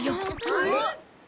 えっ？